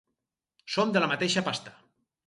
Som de la mateixa pasta.